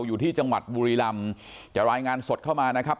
อยู่ที่จังหวัดบุรีรำจะรายงานสดเข้ามานะครับ